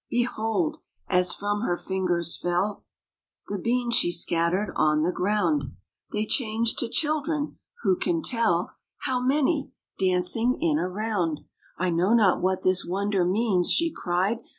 Behold ! as from her fingers fell The beans she scattered on the ground. They changed to children — who can tell How many ! dancing in a round. know not what this wonder means!" She cried.